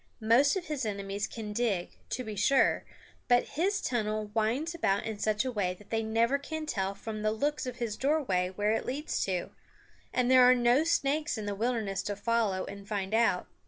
Most of his enemies can dig, to be sure, but his tunnel winds about in such a way that they never can tell from the looks of his doorway where it leads to; and there are no snakes in the wilderness to follow and find out.